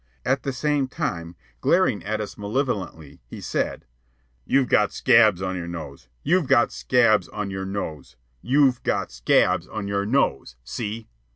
At the same time, glaring at us malevolently, he said: "You've got scabs on your nose. You've got scabs on your nose. You've got scabs on your nose. See!"